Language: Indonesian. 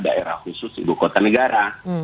daerah khusus ibu kota negara